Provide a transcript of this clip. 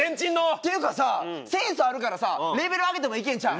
っていうかさセンスあるからさレベル上げてもいけんちゃう？